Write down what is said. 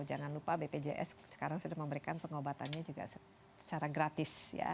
jangan lupa bpjs sekarang sudah memberikan pengobatannya juga secara gratis ya